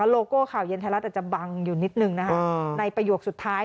โลโก้ข่าวเย็นไทยรัฐอาจจะบังอยู่นิดนึงนะคะในประโยคสุดท้าย